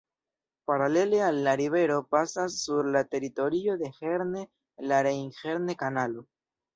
Paralele al la rivero pasas sur la teritorio de Herne la Rejn-Herne-Kanalo.